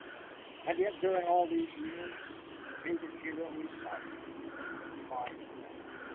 And yet, during all these years, the baited hero is silent. He lies low.